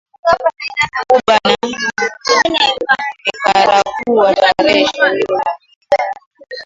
Kuba na Nicaragua Tarehe ishirini na mbili